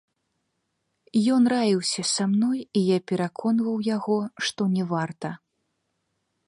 Ён раіўся са мной, і я пераконваў яго, што не варта.